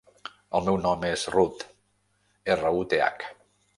El meu nom és Ruth: erra, u, te, hac.